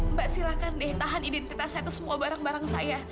mbak silakan deh tahan identitas saya itu semua barang barang saya